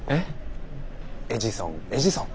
エジソンエジソン。